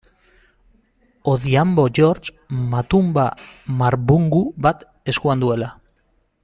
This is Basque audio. Odhiambo George, matunda marbungu bat eskuan duela.